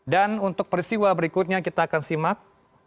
dan untuk peristiwa berikutnya kita akan simak